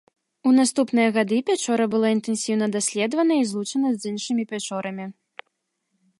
У наступныя гады пячора была інтэнсіўна даследавана і злучана з іншымі пячорамі.